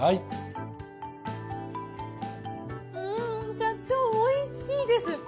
社長おいしいです。